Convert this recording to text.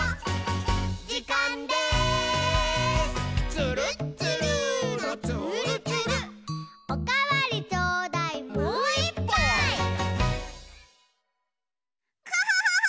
「つるっつるーのつーるつる」「おかわりちょうだい」「もういっぱい！」ハハハハ！